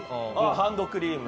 ハンドクリーム。